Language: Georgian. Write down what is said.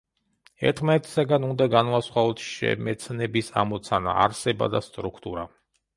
ერთმანეთისაგან უნდა განვასხვაოთ შემეცნების ამოცანა, არსება და სტრუქტურა.